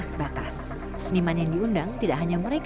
sudah menjadi tanda tanda yang menarik